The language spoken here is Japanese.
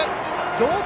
同点！